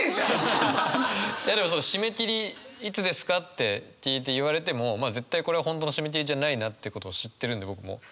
いやでも「締め切りいつですか？」って聞いて言われてもまあ絶対これは本当の締め切りじゃないなってことを知ってるんで僕も。